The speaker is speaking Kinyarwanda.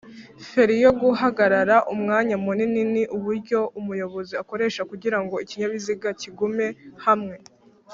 feri yoguhagarara Umwanya munini ni uburyo umuyobozi akoresha Kugirango ikinyabiziga kigume hamwe